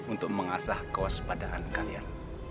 untuk mengasah kewaspadaan kalian